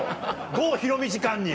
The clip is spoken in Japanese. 郷ひろみ時間に。